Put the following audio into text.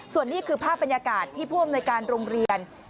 ส่วนนี้คือภาพบรรยากาศที่ผู้อำนวยการโรงเรียน